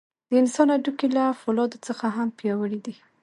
د انسان هډوکي له فولادو څخه هم پیاوړي دي.